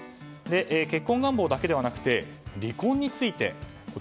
結婚願望だけでなくて離婚について。